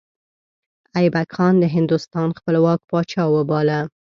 ایبک ځان د هندوستان خپلواک پاچا وباله.